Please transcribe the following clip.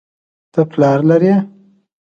ته پلار لرې